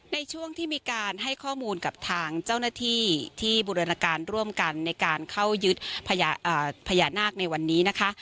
ในช่วงที่มีการให้ข้อมูลกับทางเจ้าหน้าที่ที่บูรณการร่วมกันในการเข้ายึดพญานาคในวันนี้นะคะ